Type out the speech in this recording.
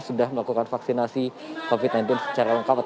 sudah melakukan vaksinasi covid sembilan belas secara lengkap